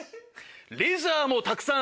レジャーもたくさん。